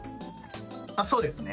そうですね。